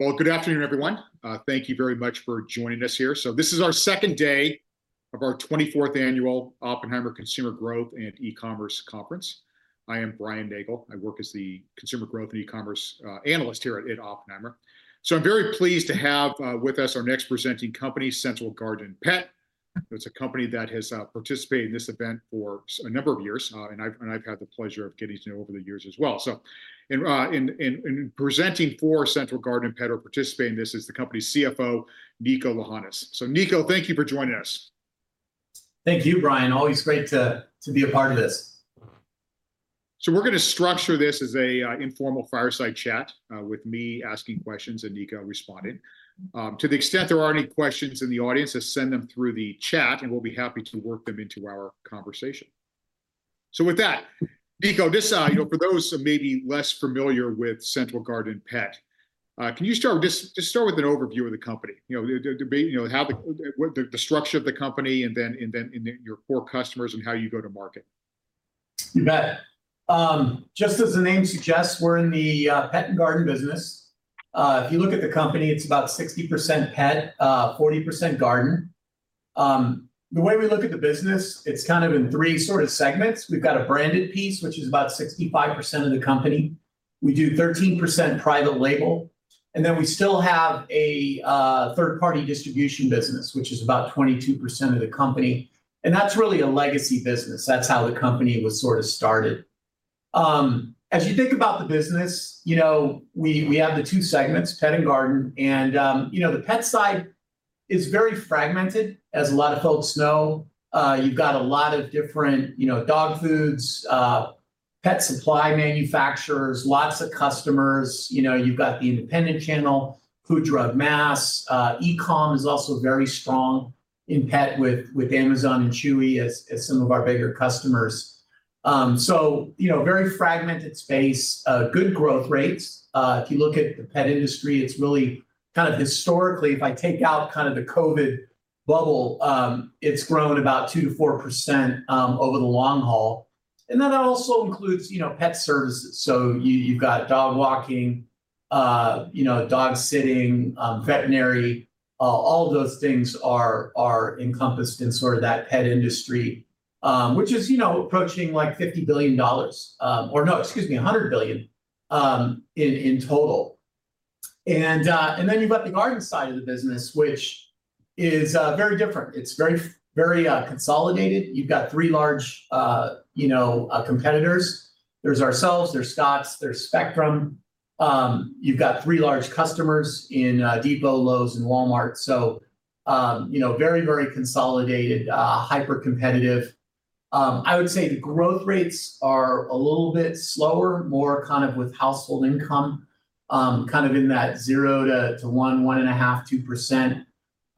Well, good afternoon, everyone. Thank you very much for joining us here. So this is our second day of our 24th Annual Oppenheimer Consumer Growth and E-commerce Conference. I am Brian Nagel. I work as the Consumer Growth and E-commerce Analyst here at Oppenheimer. So I'm very pleased to have with us our next presenting company, Central Garden & Pet. It's a company that has participated in this event for a number of years, and I've had the pleasure of getting to know over the years as well. So, in presenting for Central Garden & Pet or participating in this, is the company's CFO, Niko Lahanas. So Niko, thank you for joining us. Thank you, Brian. Always great to be a part of this. So we're going to structure this as an informal fireside chat with me asking questions and Niko responding. To the extent there are any questions in the audience, just send them through the chat, and we'll be happy to work them into our conversation. So with that, Niko, for those who may be less familiar with Central Garden & Pet, can you start with an overview of the company? You know, how the structure of the company and then your core customers and how you go to market. You bet. Just as the name suggests, we're in the pet and garden business. If you look at the company, it's about 60% pet, 40% garden. The way we look at the business, it's kind of in three sort of segments. We've got a branded piece, which is about 65% of the company. We do 13% private label. And then we still have a third-party distribution business, which is about 22% of the company. And that's really a legacy business. That's how the company was sort of started. As you think about the business, you know, we have the two segments, pet and garden. And you know, the pet side is very fragmented, as a lot of folks know. You've got a lot of different dog foods, pet supply manufacturers, lots of customers. You've got the independent channel, Food, Drug, Mass. E-com is also very strong in pet with Amazon and Chewy as some of our bigger customers. So very fragmented space, good growth rates. If you look at the pet industry, it's really kind of historically, if I take out kind of the COVID bubble, it's grown about 2%-4% over the long haul. And then that also includes pet services. So you've got dog walking, dog sitting, veterinary. All of those things are encompassed in sort of that pet industry, which is approaching like $50 billion, or no, excuse me, $100 billion in total. And then you've got the garden side of the business, which is very different. It's very consolidated. You've got three large competitors. There's ourselves, there's Scotts, there's Spectrum. You've got three large customers in Home Depot, Lowe's, and Walmart. So very, very consolidated, hyper-competitive. I would say the growth rates are a little bit slower, more kind of with household income, kind of in that 0%-1%, 1.5%,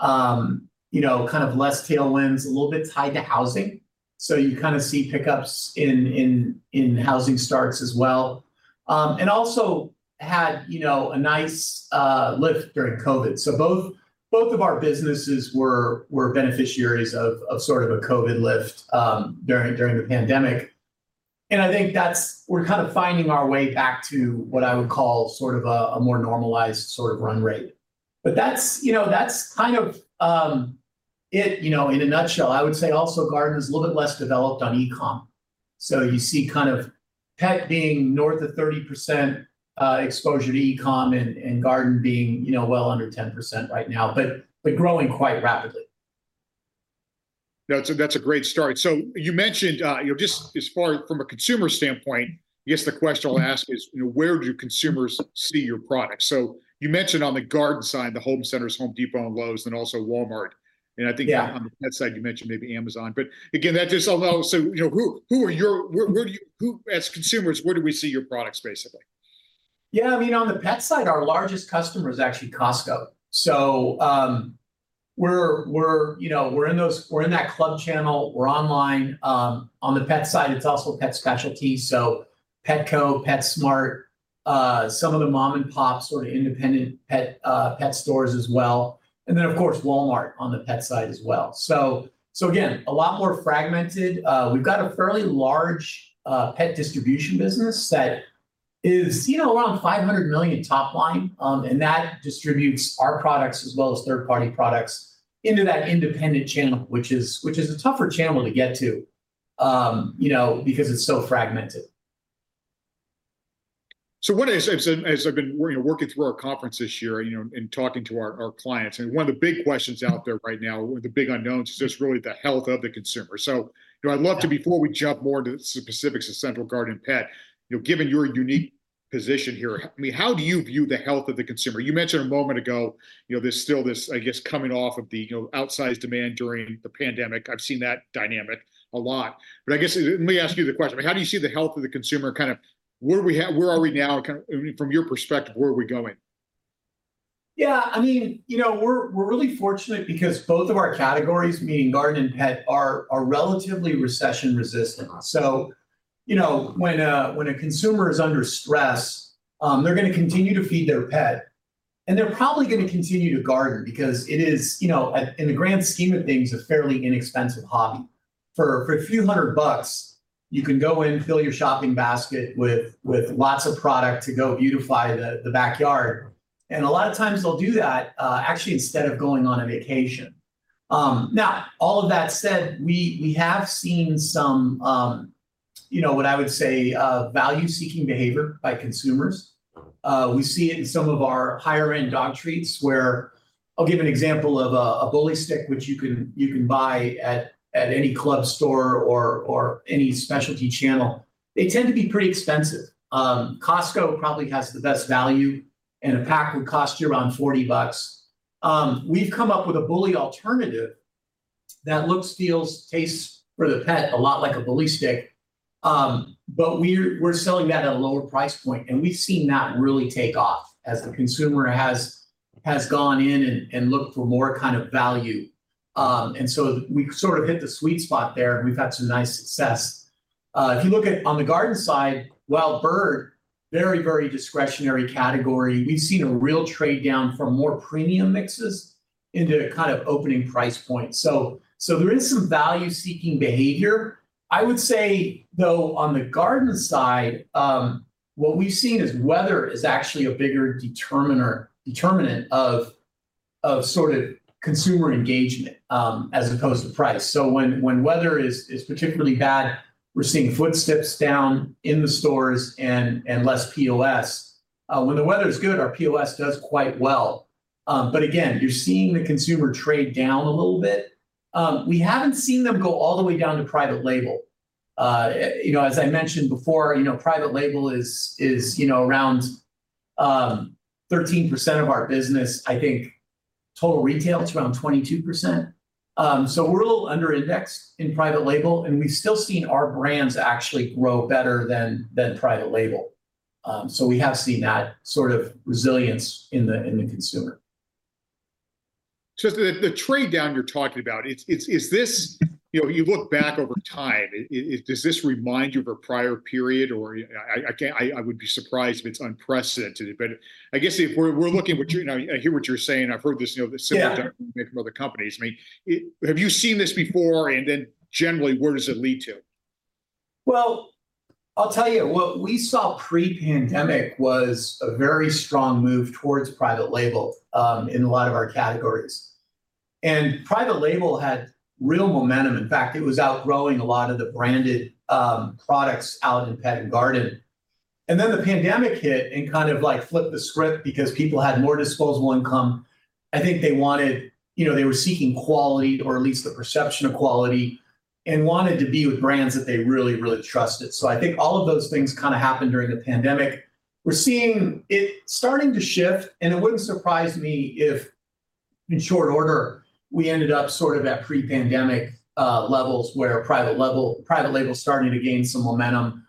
2%. Kind of less tailwinds, a little bit tied to housing. So you kind of see pickups in housing starts as well. And also had a nice lift during COVID. So both of our businesses were beneficiaries of sort of a COVID lift during the pandemic. And I think we're kind of finding our way back to what I would call sort of a more normalized sort of run rate. But that's kind of it in a nutshell. I would say also garden is a little bit less developed on E-com. So you see kind of pet being north of 30% exposure to e-com and garden being well under 10% right now, but growing quite rapidly. That's a great story. So you mentioned just as far from a consumer standpoint, I guess the question I'll ask is, where do consumers see your products? So you mentioned on the garden side, the home centers, The Home Depot, and Lowe's, and then also Walmart. And I think on the pet side, you mentioned maybe Amazon. But again, that just allows so who are your, as consumers, where do we see your products basically? Yeah, I mean, on the pet side, our largest customer is actually Costco. So we're in that club channel. We're online. On the pet side, it's also pet specialties. So Petco, PetSmart, some of the mom-and-pop sort of independent pet stores as well. And then, of course, Walmart on the pet side as well. So again, a lot more fragmented. We've got a fairly large pet distribution business that is around $500 million top line. And that distributes our products as well as third-party products into that independent channel, which is a tougher channel to get to because it's so fragmented. So as I've been working through our conference this year and talking to our clients, one of the big questions out there right now, one of the big unknowns, is just really the health of the consumer. So I'd love to, before we jump more into the specifics of Central Garden & Pet, given your unique position here, I mean, how do you view the health of the consumer? You mentioned a moment ago, there's still this, I guess, coming off of the outsized demand during the pandemic. I've seen that dynamic a lot. But I guess let me ask you the question. How do you see the health of the consumer? Kind of where are we now? From your perspective, where are we going? Yeah, I mean, we're really fortunate because both of our categories, meaning garden and pet, are relatively recession resistant. So when a consumer is under stress, they're going to continue to feed their pet. And they're probably going to continue to garden because it is, in the grand scheme of things, a fairly inexpensive hobby. For a few hundred bucks, you can go in, fill your shopping basket with lots of product to go beautify the backyard. And a lot of times they'll do that actually instead of going on a vacation. Now, all of that said, we have seen some, what I would say, value-seeking behavior by consumers. We see it in some of our higher-end dog treats where, I'll give an example of a bully stick, which you can buy at any club store or any specialty channel. They tend to be pretty expensive. Costco probably has the best value, and a pack would cost you around $40. We've come up with a bully alternative that looks, feels, tastes for the pet a lot like a bully stick. But we're selling that at a lower price point. And we've seen that really take off as the consumer has gone in and looked for more kind of value. And so we sort of hit the sweet spot there, and we've had some nice success. If you look at on the garden side, wild bird, very, very discretionary category. We've seen a real trade down from more premium mixes into kind of opening price points. So there is some value-seeking behavior. I would say, though, on the garden side, what we've seen is weather is actually a bigger determinant of sort of consumer engagement as opposed to price. So when weather is particularly bad, we're seeing footsteps down in the stores and less POS. When the weather is good, our POS does quite well. But again, you're seeing the consumer trade down a little bit. We haven't seen them go all the way down to private label. As I mentioned before, private label is around 13% of our business. I think total retail is around 22%. So we're a little under-indexed in private label. And we've still seen our brands actually grow better than private label. So we have seen that sort of resilience in the consumer. So the trade down you're talking about, you look back over time, does this remind you of a prior period? Or I would be surprised if it's unprecedented. But I guess if we're looking, I hear what you're saying. I've heard this similar to other companies. I mean, have you seen this before? And then generally, where does it lead to? Well, I'll tell you, what we saw pre-pandemic was a very strong move towards private label in a lot of our categories. Private label had real momentum. In fact, it was outgrowing a lot of the branded products out in pet and garden. Then the pandemic hit and kind of like flipped the script because people had more disposable income. I think they wanted, they were seeking quality, or at least the perception of quality, and wanted to be with brands that they really, really trusted. I think all of those things kind of happened during the pandemic. We're seeing it starting to shift. It wouldn't surprise me if, in short order, we ended up sort of at pre-pandemic levels where private label started to gain some momentum.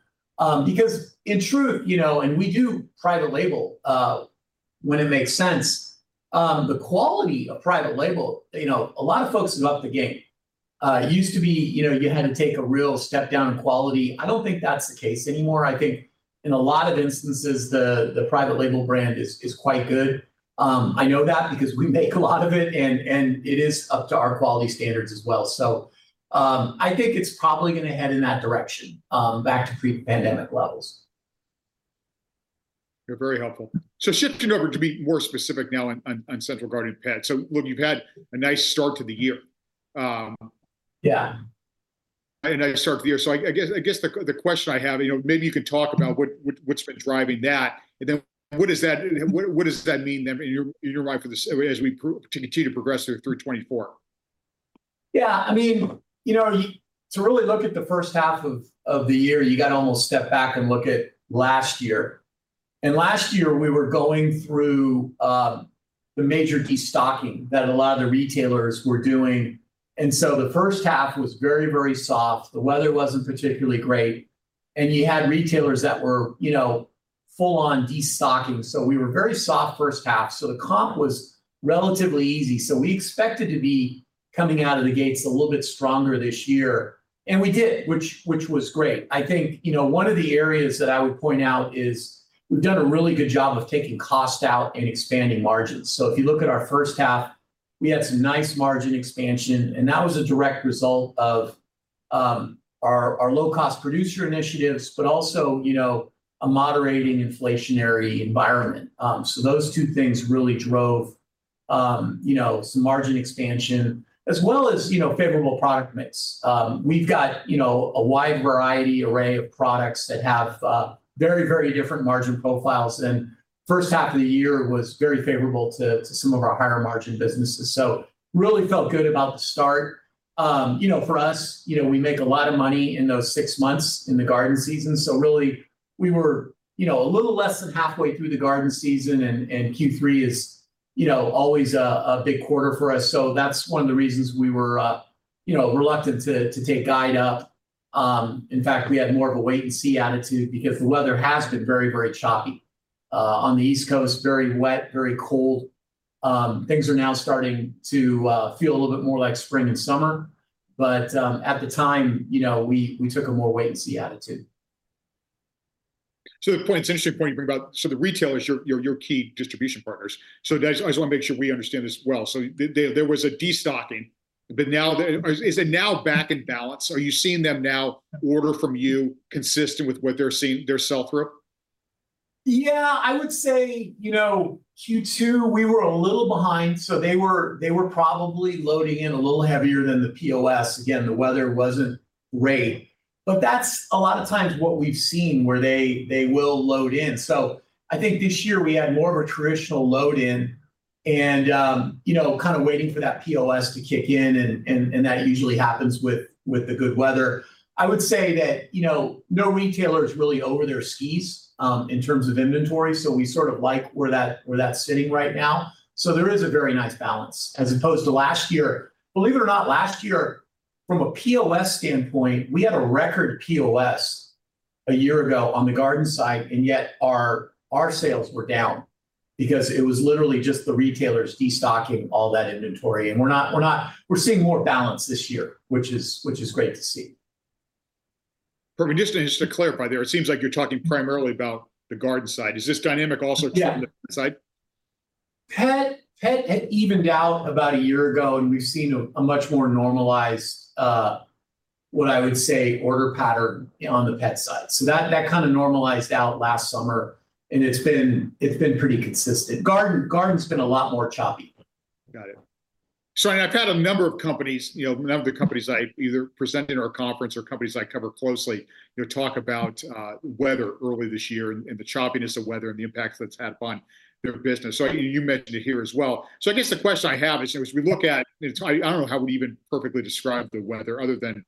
Because in truth, and we do private label when it makes sense. The quality of private label, a lot of folks have upped the game. It used to be you had to take a real step down in quality. I don't think that's the case anymore. I think in a lot of instances, the private label brand is quite good. I know that because we make a lot of it. It is up to our quality standards as well. I think it's probably going to head in that direction, back to pre-pandemic levels. You're very helpful. So shifting over to be more specific now on Central Garden & Pet. So look, you've had a nice start to the year. Yeah. A nice start to the year. I guess the question I have, maybe you can talk about what's been driving that. Then what does that mean in your mind as we continue to progress through 2024? Yeah. I mean, to really look at the first half of the year, you got to almost step back and look at last year. Last year, we were going through the major destocking that a lot of the retailers were doing. So the first half was very, very soft. The weather wasn't particularly great. You had retailers that were full-on destocking. We were very soft first half. The comp was relatively easy. We expected to be coming out of the gates a little bit stronger this year. And we did, which was great. I think one of the areas that I would point out is we've done a really good job of taking cost out and expanding margins. If you look at our first half, we had some nice margin expansion. And that was a direct result of our low-cost producer initiatives, but also a moderating inflationary environment. So those two things really drove some margin expansion, as well as favorable product mix. We've got a wide variety array of products that have very, very different margin profiles. And first half of the year was very favorable to some of our higher margin businesses. So really felt good about the start. For us, we make a lot of money in those six months in the garden season. So really, we were a little less than halfway through the garden season. And Q3 is always a big quarter for us. So that's one of the reasons we were reluctant to take guide up. In fact, we had more of a wait-and-see attitude because the weather has been very, very choppy. On the East Coast, very wet, very cold. Things are now starting to feel a little bit more like spring and summer. But at the time, we took a more wait-and-see attitude. So it's an interesting point you bring about. So the retailers, your key distribution partners. So I just want to make sure we understand this well. So there was a destocking. But is it now back in balance? Are you seeing them now order from you consistent with what they're selling through? Yeah, I would say Q2, we were a little behind. So they were probably loading in a little heavier than the POS. Again, the weather wasn't great. But that's a lot of times what we've seen where they will load in. So I think this year we had more of a traditional load in and kind of waiting for that POS to kick in. And that usually happens with the good weather. I would say that no retailer is really over their skis in terms of inventory. So we sort of like where that's sitting right now. So there is a very nice balance as opposed to last year. Believe it or not, last year, from a POS standpoint, we had a record POS a year ago on the garden side. And yet our sales were down because it was literally just the retailers destocking all that inventory. We're seeing more balance this year, which is great to see. Just to clarify there, it seems like you're talking primarily about the garden side. Is this dynamic also true on the pet side? Pet had evened out about a year ago. We've seen a much more normalized, what I would say, order pattern on the pet side. That kind of normalized out last summer. It's been pretty consistent. Garden's been a lot more choppy. Got it. So I've had a number of companies, a number of the companies I either presented at our conference or companies I cover closely, talk about weather early this year and the choppiness of weather and the impact that's had upon their business. So you mentioned it here as well. So I guess the question I have is, as we look at, I don't know how we'd even perfectly describe the weather other than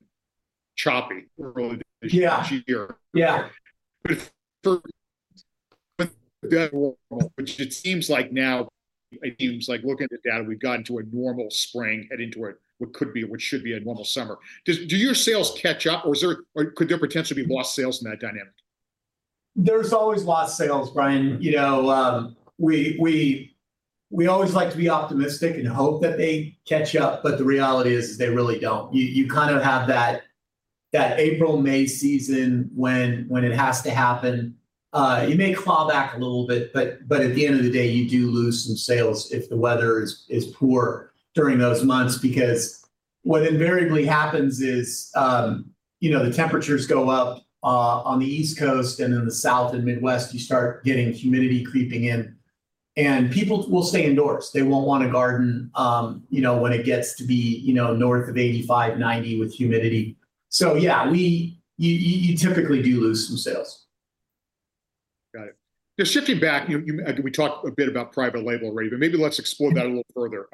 choppy early this year. Yeah. But for the dead of autumn, which it seems like now, it seems like looking at the data, we've gotten to a normal spring, heading toward what could be, what should be a normal summer. Do your sales catch up? Or could there potentially be lost sales in that dynamic? There's always lost sales, Brian. We always like to be optimistic and hope that they catch up. But the reality is they really don't. You kind of have that April, May season when it has to happen. You may claw back a little bit. But at the end of the day, you do lose some sales if the weather is poor during those months because what invariably happens is the temperatures go up on the East Coast. And in the South and Midwest, you start getting humidity creeping in. And people will stay indoors. They won't want to garden when it gets to be north of 85, 90 with humidity. So yeah, you typically do lose some sales. Got it. Now, shifting back, we talked a bit about private label already. But maybe let's explore that a little further.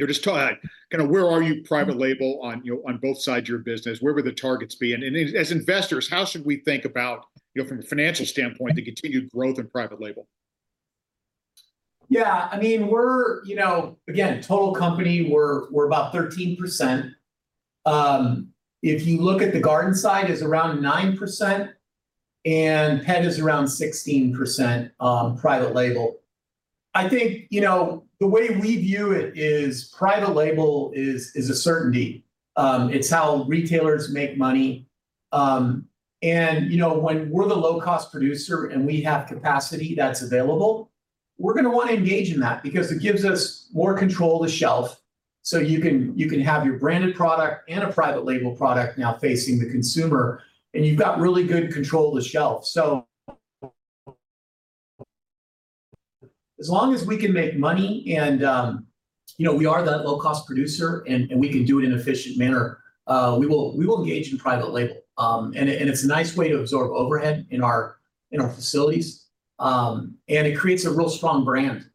Just kind of where are you private label on both sides of your business? Where would the targets be? And as investors, how should we think about, from a financial standpoint, the continued growth in private label? Yeah. I mean, we're, again, total company, we're about 13%. If you look at the garden side, it's around 9%. And pet is around 16% private label. I think the way we view it is private label is a certainty. It's how retailers make money. And when we're the low-cost producer and we have capacity that's available, we're going to want to engage in that because it gives us more control of the shelf. So you can have your branded product and a private label product now facing the consumer. And you've got really good control of the shelf. So as long as we can make money and we are that low-cost producer and we can do it in an efficient manner, we will engage in private label. And it's a nice way to absorb overhead in our facilities. And it creates a real strong brand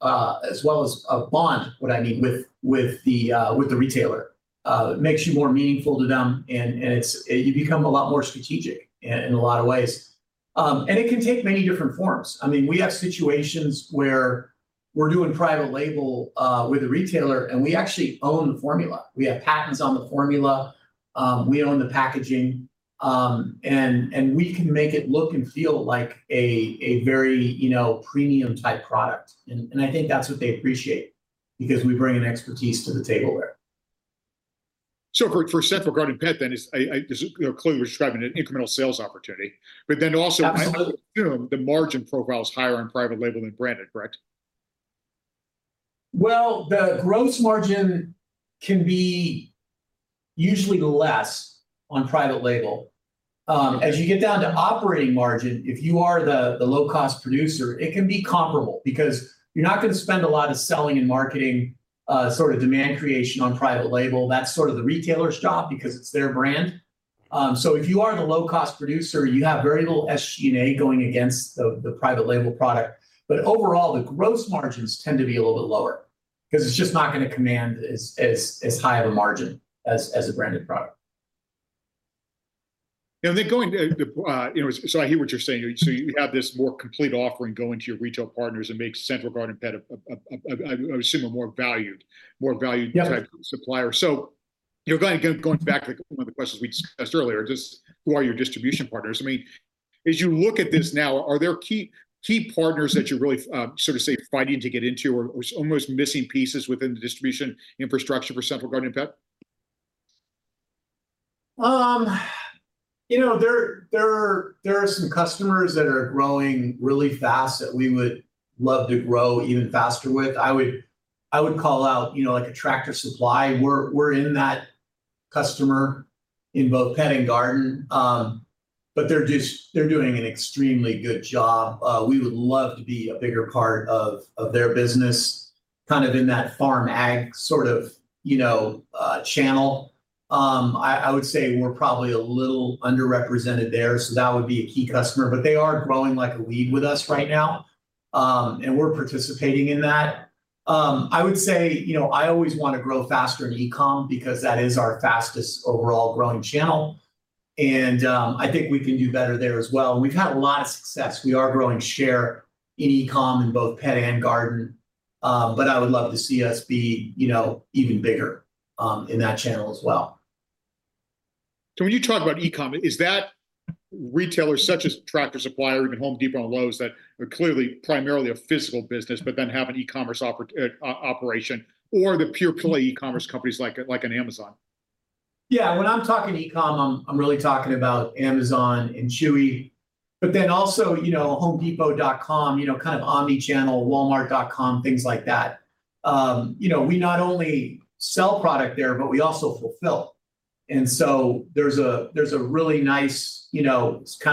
as well as a bond, what I mean, with the retailer. It makes you more meaningful to them. And you become a lot more strategic in a lot of ways. And it can take many different forms. I mean, we have situations where we're doing private label with a retailer. And we actually own the formula. We have patents on the formula. We own the packaging. And we can make it look and feel like a very premium-type product. And I think that's what they appreciate because we bring an expertise to the table there. So for Central Garden & Pet then, clearly, we're describing an incremental sales opportunity. But then also, I assume the margin profile is higher on private label than branded, correct? Well, the gross margin can be usually less on private label. As you get down to operating margin, if you are the low-cost producer, it can be comparable because you're not going to spend a lot of selling and marketing sort of demand creation on private label. That's sort of the retailer's job because it's their brand. So if you are the low-cost producer, you have very little SG&A going against the private label product. But overall, the gross margins tend to be a little bit lower because it's just not going to command as high of a margin as a branded product. So I hear what you're saying. So you have this more complete offering going to your retail partners and makes Central Garden & Pet a, I assume, a more valued type of supplier. So going back to one of the questions we discussed earlier, just who are your distribution partners? I mean, as you look at this now, are there key partners that you're really sort of fighting to get into or almost missing pieces within the distribution infrastructure for Central Garden & Pet? There are some customers that are growing really fast that we would love to grow even faster with. I would call out like a Tractor Supply. We're in that customer in both pet and garden. But they're doing an extremely good job. We would love to be a bigger part of their business kind of in that farm ag sort of channel. I would say we're probably a little underrepresented there. So that would be a key customer. But they are growing like a weed with us right now. And we're participating in that. I would say I always want to grow faster in e-com because that is our fastest overall growing channel. And I think we can do better there as well. And we've had a lot of success. We are growing share in e-com in both pet and garden. But I would love to see us be even bigger in that channel as well. So when you talk about e-comm, is that retailers such as Tractor Supply or even Home Depot and Lowe's that are clearly primarily a physical business but then have an e-commerce operation or the pure-play e-commerce companies like an Amazon? Yeah. When I'm talking e-comm, I'm really talking about Amazon and Chewy. But then also HomeDepot.com, kind of omnichannel, Walmart.com, things like that. We not only sell product there, but we also fulfill. And so there's a really nice kind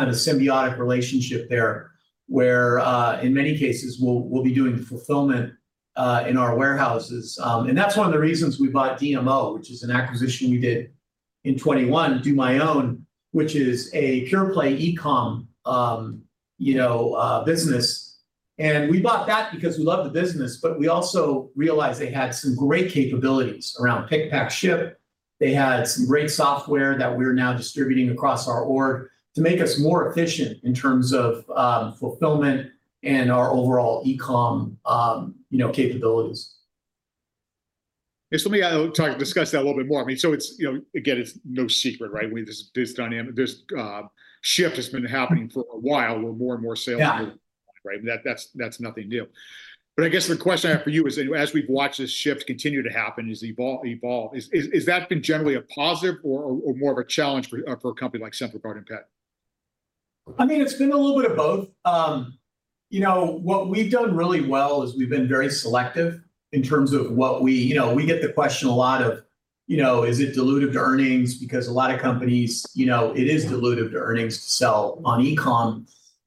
of a symbiotic relationship there where in many cases, we'll be doing fulfillment in our warehouses. And that's one of the reasons we bought DMO, which is an acquisition we did in 2021, DoMyOwn, which is a pure-play e-com business. And we bought that because we love the business. But we also realized they had some great capabilities around pick, pack, ship. They had some great software that we're now distributing across our org to make us more efficient in terms of fulfillment and our overall e-com capabilities. Let me discuss that a little bit more. I mean, so again, it's no secret, right? This shift has been happening for a while where more and more sales are going to be online, right? That's nothing new. But I guess the question I have for you is, as we've watched this shift continue to happen, has that been generally a positive or more of a challenge for a company like Central Garden & Pet? I mean, it's been a little bit of both. What we've done really well is we've been very selective in terms of what we get the question a lot of, is it dilutive to earnings? Because a lot of companies, it is dilutive to earnings to sell on e-comm.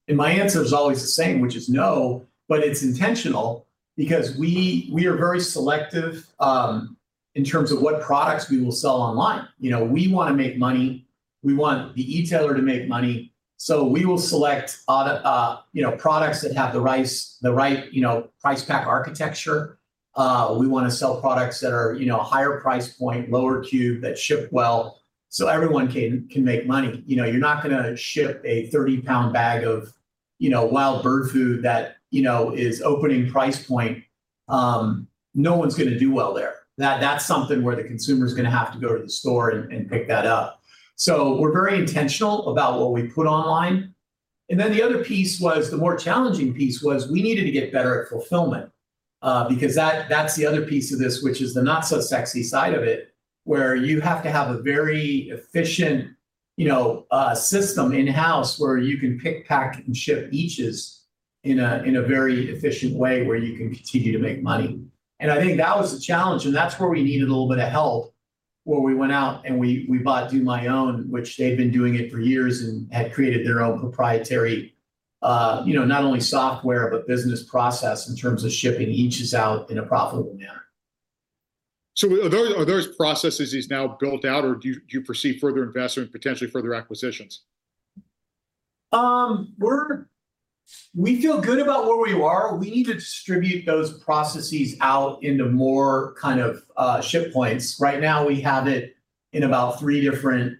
And my answer is always the same, which is no. But it's intentional because we are very selective in terms of what products we will sell online. We want to make money. We want the e-tailer to make money. So we will select products that have the right price pack architecture. We want to sell products that are higher price point, lower cube, that ship well so everyone can make money. You're not going to ship a 30-pound bag of wild bird food that is opening price point. No one's going to do well there. That's something where the consumer is going to have to go to the store and pick that up. So we're very intentional about what we put online. And then the other piece was the more challenging piece was we needed to get better at fulfillment because that's the other piece of this, which is the not-so-sexy side of it where you have to have a very efficient system in-house where you can pick, pack, and ship eaches in a very efficient way where you can continue to make money. And I think that was a challenge. And that's where we needed a little bit of help where we went out and we bought DoMyOwn, which they've been doing it for years and had created their own proprietary not only software but business process in terms of shipping eaches out in a profitable manner. So are those processes now built out? Or do you foresee further investment, potentially further acquisitions? We feel good about where we are. We need to distribute those processes out into more kind of ship points. Right now, we have it in about three different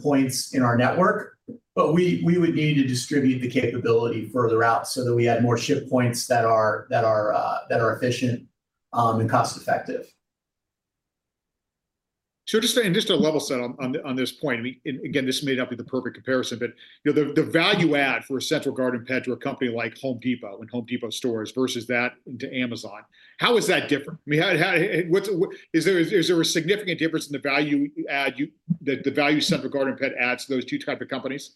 points in our network. But we would need to distribute the capability further out so that we had more ship points that are efficient and cost-effective. So just to level set on this point, again, this may not be the perfect comparison, but the value add for a Central Garden & Pet to a company like Home Depot and Home Depot stores versus that into Amazon, how is that different? Is there a significant difference in the value add that the value Central Garden & Pet adds to those two types of companies?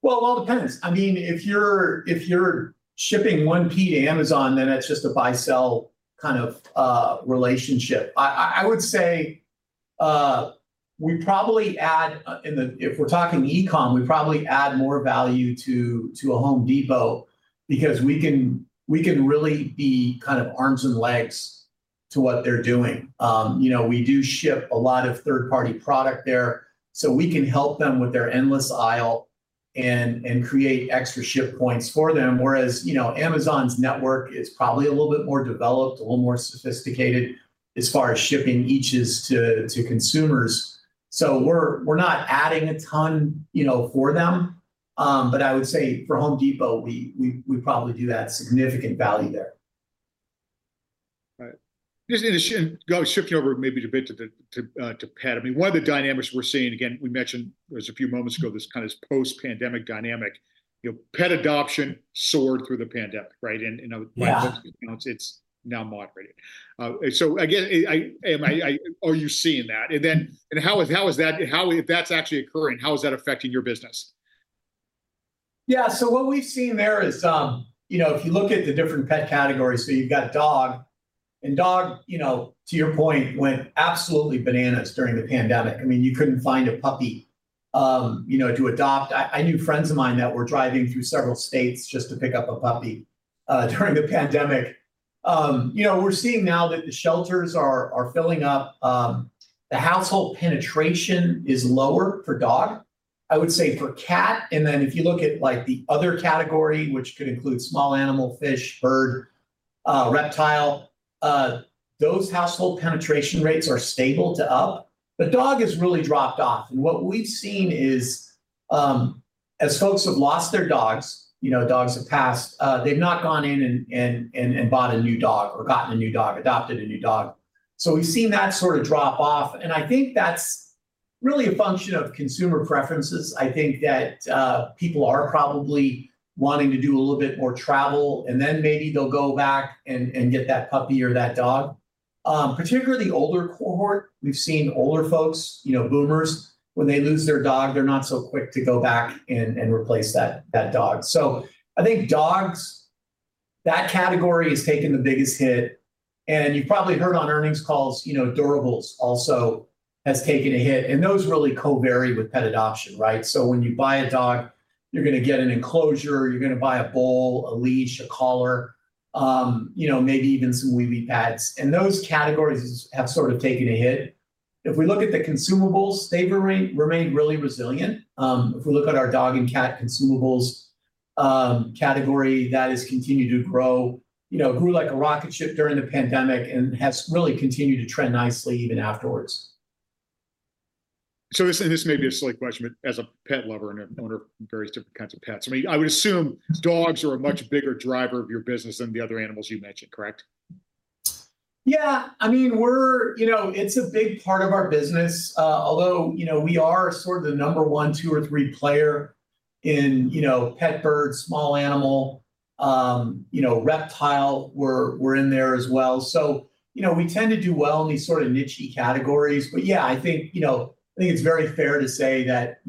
Well, it all depends. I mean, if you're shipping one piece to Amazon, then it's just a buy-sell kind of relationship. I would say we probably add, if we're talking e-comm, we probably add more value to a Home Depot because we can really be kind of arms and legs to what they're doing. We do ship a lot of third-party product there. So we can help them with their endless aisle and create extra ship points for them. Whereas Amazon's network is probably a little bit more developed, a little more sophisticated as far as shipping eaches to consumers. So we're not adding a ton for them. But I would say for Home Depot, we probably do add significant value there. Right. Just shifting over maybe a bit to pet. I mean, one of the dynamics we're seeing, again, we mentioned there was a few moments ago this kind of post-pandemic dynamic. Pet adoption soared through the pandemic, right? And now it's moderated. So are you seeing that? And then how is that, if that's actually occurring, how is that affecting your business? Yeah. So what we've seen there is if you look at the different pet categories, so you've got dog. And dog, to your point, went absolutely bananas during the pandemic. I mean, you couldn't find a puppy to adopt. I knew friends of mine that were driving through several states just to pick up a puppy during the pandemic. We're seeing now that the shelters are filling up. The household penetration is lower for dog, I would say for cat. And then if you look at the other category, which could include small animal, fish, bird, reptile, those household penetration rates are stable to up. But dog has really dropped off. And what we've seen is as folks have lost their dogs, dogs have passed, they've not gone in and bought a new dog or gotten a new dog, adopted a new dog. So we've seen that sort of drop off. I think that's really a function of consumer preferences. I think that people are probably wanting to do a little bit more travel. Then maybe they'll go back and get that puppy or that dog. Particularly the older cohort, we've seen older folks, boomers, when they lose their dog, they're not so quick to go back and replace that dog. So I think dogs, that category has taken the biggest hit. You've probably heard on earnings calls, durables also has taken a hit. Those really co-vary with pet adoption, right? So when you buy a dog, you're going to get an enclosure. You're going to buy a bowl, a leash, a collar, maybe even some Wee-Wee Pads. Those categories have sort of taken a hit. If we look at the consumables, they've remained really resilient. If we look at our dog and cat consumables category, that has continued to grow, grew like a rocket ship during the pandemic and has really continued to trend nicely even afterwards. This may be a silly question, but as a pet lover and an owner of various different kinds of pets, I mean, I would assume dogs are a much bigger driver of your business than the other animals you mentioned, correct? Yeah. I mean, it's a big part of our business. Although we are sort of the number 1, 2 or 3 player in pet, bird, small animal, reptile, we're in there as well. So we tend to do well in these sort of niche-y categories. But yeah, I think it's very fair to say that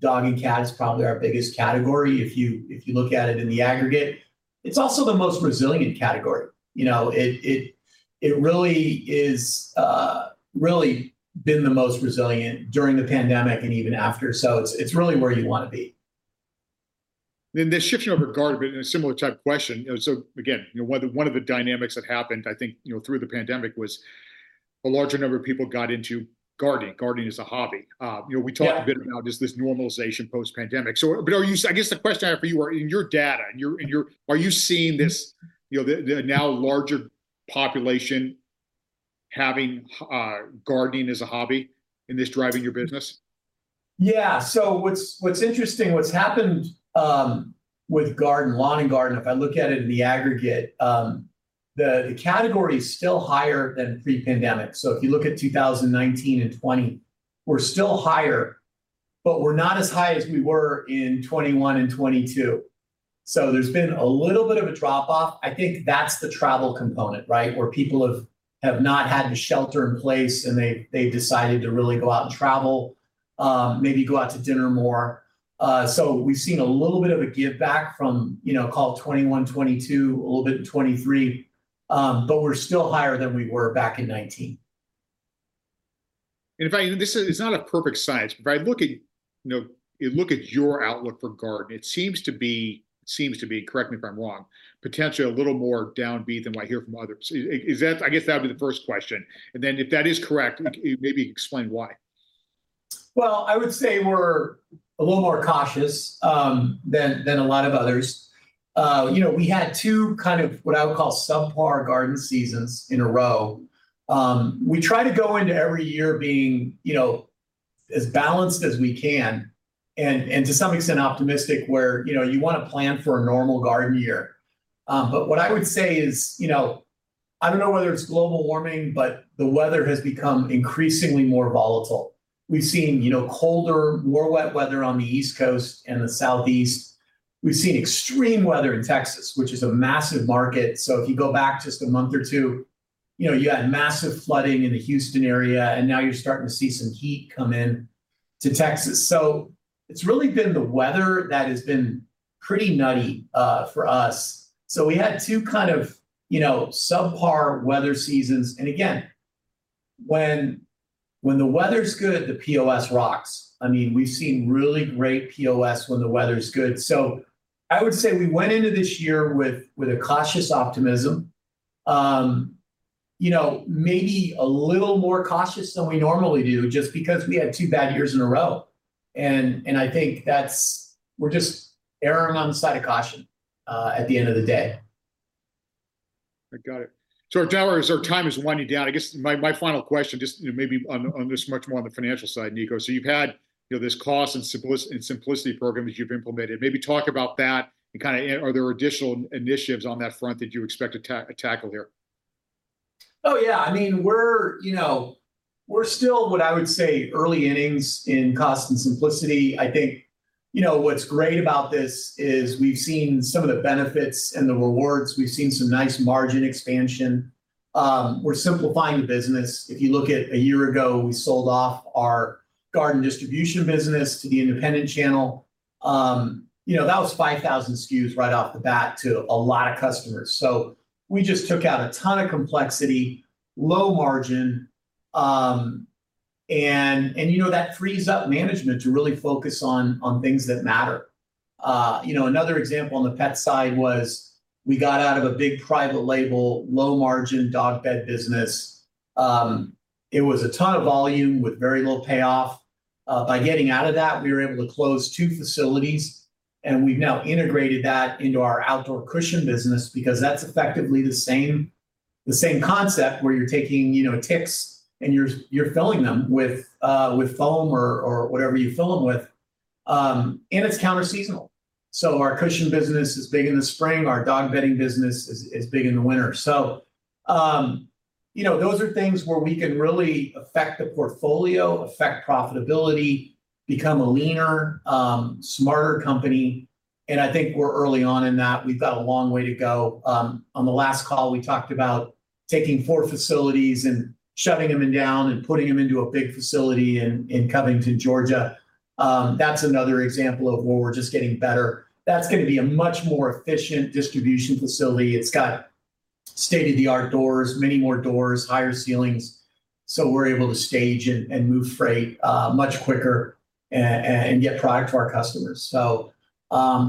dog and cat is probably our biggest category if you look at it in the aggregate. It's also the most resilient category. It really has really been the most resilient during the pandemic and even after. So it's really where you want to be. Then this shifting over to garden, a similar type question. So again, one of the dynamics that happened, I think, through the pandemic was a larger number of people got into gardening. Gardening is a hobby. We talked a bit about just this normalization post-pandemic. But I guess the question I have for you is, in your data, are you seeing this now larger population having gardening as a hobby and this driving your business? Yeah. So what's interesting, what's happened with lawn and garden, if I look at it in the aggregate, the category is still higher than pre-pandemic. So if you look at 2019 and 2020, we're still higher. But we're not as high as we were in 2021 and 2022. So there's been a little bit of a drop-off. I think that's the travel component, right, where people have not had to shelter in place and they've decided to really go out and travel, maybe go out to dinner more. So we've seen a little bit of a give back from 2021, 2022, a little bit in 2023. But we're still higher than we were back in 2019. In fact, this is not a perfect science. If I look at your outlook for garden, it seems to be, correct me if I'm wrong, potentially a little more downbeat than what I hear from others. I guess that would be the first question. Then if that is correct, maybe explain why. Well, I would say we're a little more cautious than a lot of others. We had two kind of what I would call subpar garden seasons in a row. We try to go into every year being as balanced as we can and to some extent optimistic where you want to plan for a normal garden year. But what I would say is I don't know whether it's global warming, but the weather has become increasingly more volatile. We've seen colder, more wet weather on the East Coast and the Southeast. We've seen extreme weather in Texas, which is a massive market. So if you go back just a month or two, you had massive flooding in the Houston area. And now you're starting to see some heat come into Texas. So it's really been the weather that has been pretty nutty for us. So we had two kind of subpar weather seasons. And again, when the weather's good, the POS rocks. I mean, we've seen really great POS when the weather's good. So I would say we went into this year with a cautious optimism, maybe a little more cautious than we normally do just because we had two bad years in a row. And I think we're just erring on the side of caution at the end of the day. I got it. So our time is winding down. I guess my final question, just maybe on this much more on the financial side, Niko. So you've had this cost and simplicity program that you've implemented. Maybe talk about that and kind of are there additional initiatives on that front that you expect to tackle here? Oh, yeah. I mean, we're still, what I would say, early innings in cost and simplicity. I think what's great about this is we've seen some of the benefits and the rewards. We've seen some nice margin expansion. We're simplifying the business. If you look at a year ago, we sold off our garden distribution business to the independent channel. That was 5,000 SKUs right off the bat to a lot of customers. So we just took out a ton of complexity, low margin. And that frees up management to really focus on things that matter. Another example on the pet side was we got out of a big private label, low margin dog bed business. It was a ton of volume with very low payoff. By getting out of that, we were able to close two facilities. And we've now integrated that into our outdoor cushion business because that's effectively the same concept where you're taking ticks and you're filling them with foam or whatever you fill them with. And it's counter-seasonal. So our cushion business is big in the spring. Our dog bedding business is big in the winter. So those are things where we can really affect the portfolio, affect profitability, become a leaner, smarter company. And I think we're early on in that. We've got a long way to go. On the last call, we talked about taking four facilities and shutting them down and putting them into a big facility in Covington, Georgia. That's another example of where we're just getting better. That's going to be a much more efficient distribution facility. It's got state-of-the-art doors, many more doors, higher ceilings. So we're able to stage and move freight much quicker and get product to our customers. So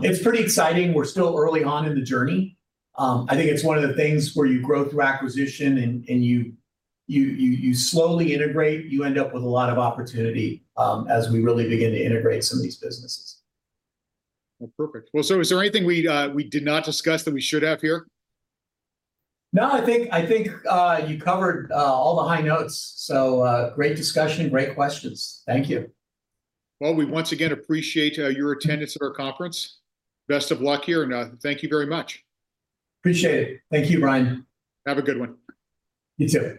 it's pretty exciting. We're still early on in the journey. I think it's one of the things where you grow through acquisition and you slowly integrate. You end up with a lot of opportunity as we really begin to integrate some of these businesses. Well, perfect. Well, so is there anything we did not discuss that we should have here? No, I think you covered all the high notes. So great discussion, great questions. Thank you. Well, we once again appreciate your attendance at our conference. Best of luck here. Thank you very much. Appreciate it. Thank you, Brian. Have a good one. You too.